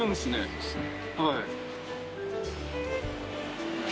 そうですね。